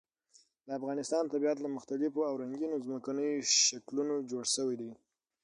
د افغانستان طبیعت له مختلفو او رنګینو ځمکنیو شکلونو جوړ شوی دی.